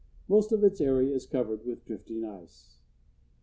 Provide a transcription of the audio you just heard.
Most of its area is covered with drifting ice.